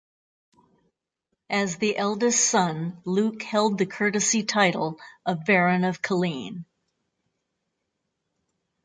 As the eldest son Luke held the courtesy title of Baron of Killeen.